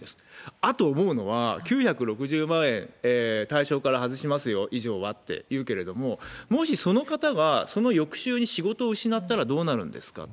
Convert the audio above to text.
あと思うのは、９６０万円、対象から外しますよ、以上はっていうけれども、もしその方がその翌週に仕事を失ったらどうなるんですかと。